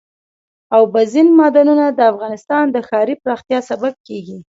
اوبزین معدنونه د افغانستان د ښاري پراختیا سبب کېږي.